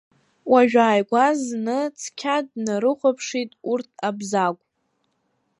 Уажәааигәа зны цқьа днарыхәаԥшит урҭ Абзагә.